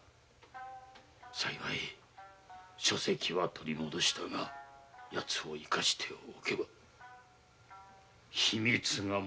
幸い書籍は取り戻したがやつを生かしておけば秘密が洩れる。